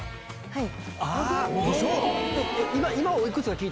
はい。